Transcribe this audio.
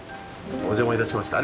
お邪魔いたしました。